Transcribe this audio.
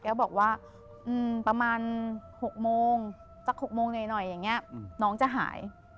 ก็บอกว่าประมาณ๖โมงสัก๖โมงหน่อยอย่างนี้น้องจะหาย